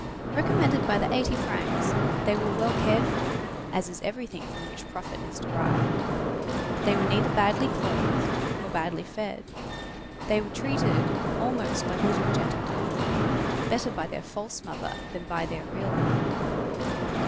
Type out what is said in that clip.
Recommended by the eighty francs, they were well cared for, as is everything from which profit is derived; they were neither badly clothed, nor badly fed; they were treated almost like "little gentlemen,"—better by their false mother than by their real one.